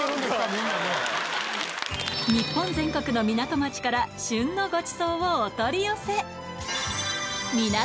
み日本全国の港町から旬のごちそうをお取り寄せ。